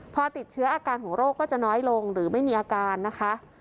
พอติดเชื้ออาการของโรคก็จะน้อยลงหรือไม่มีอาการนะคะ